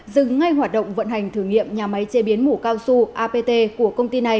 dừng ngay hoạt động vận hành thử nghiệm nhà máy chế biến mũ cao su apt